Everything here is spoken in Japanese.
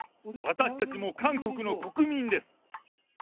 私たちも韓国の国民です。